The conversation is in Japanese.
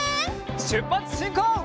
しゅっぱつしんこう！